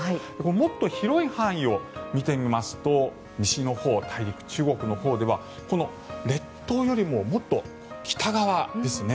もっと広い範囲を見てみますと西のほう大陸、中国のほうでは列島よりももっと北側ですね。